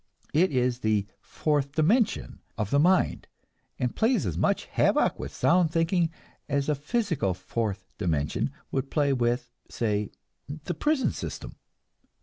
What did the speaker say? It is the "fourth dimension" of the mind, and plays as much havoc with sound thinking as a physical "fourth dimension" would play with say, the prison system.